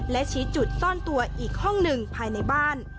และชี้จุดซ่อนตัวอีกห้องหนึ่งภายในบ้าน